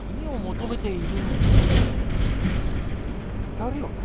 やるよね！